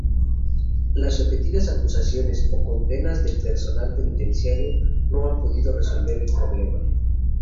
Las repetidas acusaciones o condenas del personal penitenciario no han podido resolver el problema.